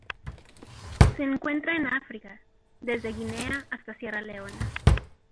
Se encuentran en África: desde Guinea hasta Sierra Leona.